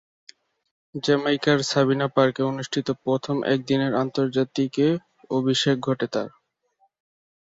জ্যামাইকার Sabina পার্কে অনুষ্ঠিত প্রথম একদিনের আন্তর্জাতিকে অভিষেক ঘটে তার।